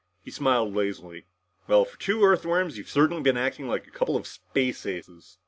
He smiled lazily. "Well, for two Earthworms, you've certainly been acting like a couple of space aces!"